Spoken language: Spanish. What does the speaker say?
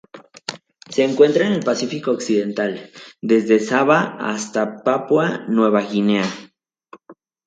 Se encuentra en el Pacífico occidental: desde Sabah hasta Papúa Nueva Guinea.